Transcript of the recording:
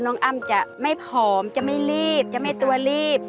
อ้ำจะไม่ผอมจะไม่รีบจะไม่ตัวรีบ